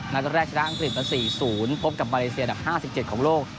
นัดแรกชนะอังกฤษมา๔๐พบกับมาเลเซียดับ๕๗ของโลก